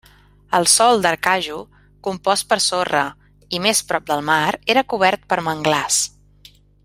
El sòl d'Aracaju, compost per sorra i més prop del mar, era cobert per manglars.